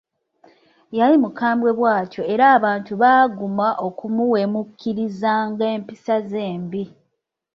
Yali mukambwe bw'atyo era abantu baaguma okumuwemuukirizanga empisa ze embi.